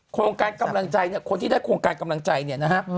โครงการกำลังใจเนี่ยคนที่ได้โครงการกำลังใจเนี่ยนะฮะ